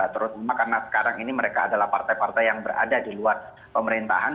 terutama karena sekarang ini mereka adalah partai partai yang berada di luar pemerintahan